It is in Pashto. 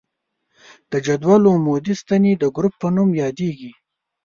د جدول عمودي ستنې د ګروپ په نوم یادیږي.